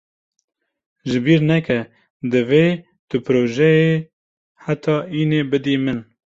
Ji bîr neke divê tu projeyê heta înê bidî min.